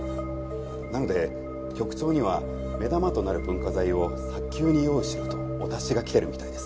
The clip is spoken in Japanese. なので局長には目玉となる文化財を早急に用意しろとお達しが来てるみたいです。